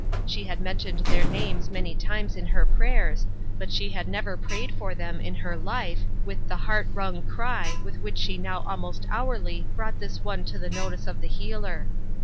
She had mentioned their names many times in her prayers, but she had never prayed for them in her life, with the heart wrung cry with which she now almost hourly brought this one to the notice of the Healer.